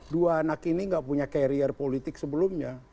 dua anak ini gak punya karier politik sebelumnya